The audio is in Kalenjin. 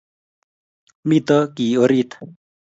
Mito kiye orit